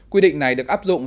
quy định này được áp dụng